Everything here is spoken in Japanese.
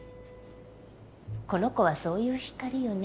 この子はそういう光よね。